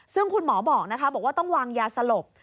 ซึ่งคุณหมอบอกนะคะบอกว่าต้องวางยาสลบ